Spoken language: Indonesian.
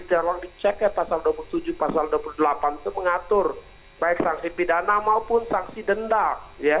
jalur di ceknya pasal dua puluh tujuh pasal dua puluh delapan itu mengatur baik sanksi pidana maupun sanksi dendam